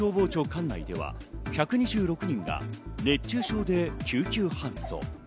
管内では１２６人が熱中症で救急搬送。